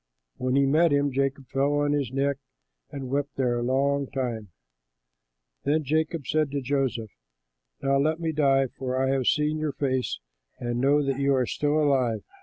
When he met him, Jacob fell on his neck and wept there a long time. Then Jacob said to Joseph, "Now let me die, for I have seen your face and know that you are still alive."